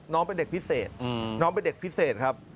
น้องเป็นเด็กพิเศษน้องเป็นเด็กพิเศษครับ